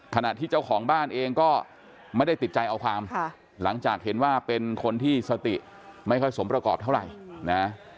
ขณะที่เจ้าของบ้านเองก็ไม่ได้ติดใจเอาความหลังจากเห็นว่าเป็นคนที่สติไม่ค่อยสมประกอบเท่าไหร่นะ